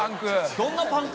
どんなパンク？